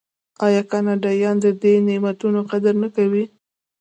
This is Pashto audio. آیا کاناډایان د دې نعمتونو قدر نه کوي؟